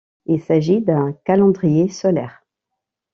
Il s'agit d'un calendrier solaire.